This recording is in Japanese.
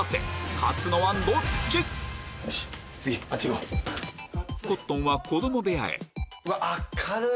勝つのはどっち⁉コットンは子ども部屋へ明るい！